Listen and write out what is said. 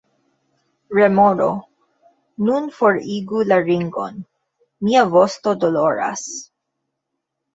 Remoro: "Nun forigu la ringon. Mia vosto doloras!"